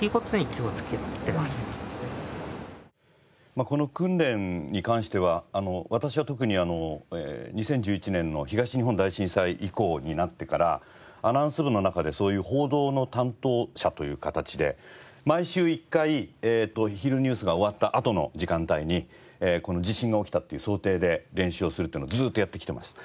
まあこの訓練に関しては私は特に２０１１年の東日本大震災以降になってからアナウンス部の中でそういう報道の担当者という形で毎週１回昼ニュースが終わったあとの時間帯に地震が起きたっていう想定で練習をするっていうのをずっとやってきてます。